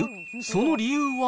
その理由は？